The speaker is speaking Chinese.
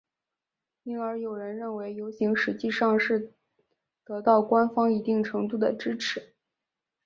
因而有人认为游行实际上是得到官方一定程度的支持。